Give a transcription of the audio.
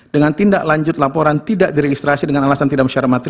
dengan tindak lanjut laporan tidak diregistrasi dengan alasan tidak mensyaratkan